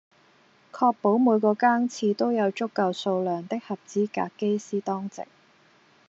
確保每個更次都有足夠數量的合資格機師當值